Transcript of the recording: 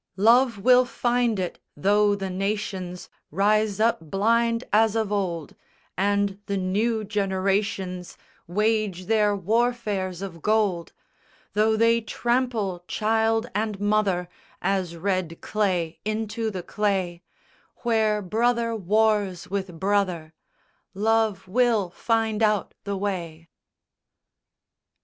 "_ V _Love will find it, tho' the nations Rise up blind, as of old, And the new generations Wage their warfares of gold; Tho' they trample child and mother As red clay into the clay, Where brother wars with brother, "Love will find out the way."